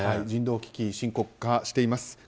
人道危機、深刻化しています。